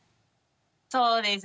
そうですね。